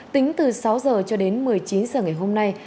tính từ sáu giờ cho đến một mươi chín giờ ngày hôm nay